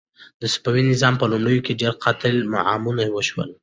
د صفوي نظام په لومړیو کې ډېر قتل عامونه وشول.